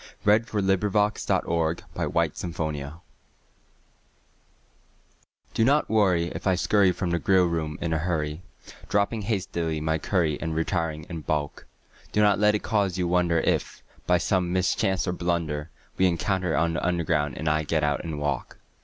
CUPID'S DARTS (Which are a growing menace to the public) Do not worry if I scurry from the grill room in a hurry, Dropping hastily my curry and re tiring into balk ; Do not let it cause you wonder if, by some mischance or blunder, We encounter on the Underground and I get out and walk.